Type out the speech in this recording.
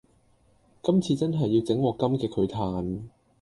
今次真係要整鑊金嘅佢嘆